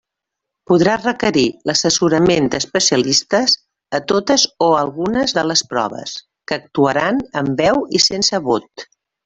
Podrà requerir l'assessorament d'especialistes a totes o algunes de les proves, que actuaran amb veu i sense vot.